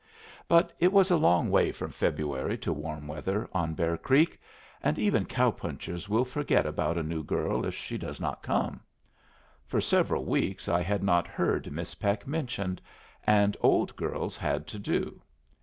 But it is a long way from February to warm weather on Bear Creek, and even cow punchers will forget about a new girl if she does not come. For several weeks I had not heard Miss Peck mentioned, and old girls had to do.